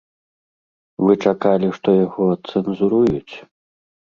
Вы чакалі, што яго адцэнзуруюць?